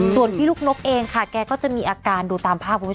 ส่วนพี่ลูกนกเองแกก็จะมีอาการดูตามภาพ